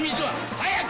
早く！